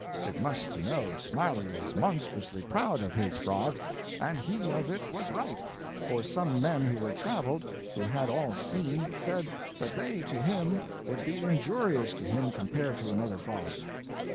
It must to know, Smiley was monstrously proud of his frog, and he of it was right, for some men who were travelled, who had all seen, said that they to him would be injurious to him compare to another frog.